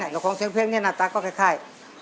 แล้วของเสียงเพลงเนี่ยหน้าตาก็คล้าย